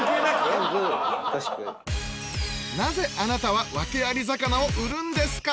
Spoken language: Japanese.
全部等しくなぜあなたはワケアリ魚を売るんですか？